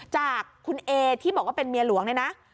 จากคุณเอที่บอกว่าเป็นเมียหลวงเนี่ยนะ